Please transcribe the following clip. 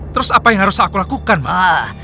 terus apa yang harus aku lakukan mah